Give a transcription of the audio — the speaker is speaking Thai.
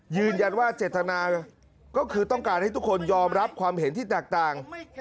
ยืนยันว่าเจตนาก็คือต้องการให้ทุกคนยอมรับความเห็นที่แตกต่าง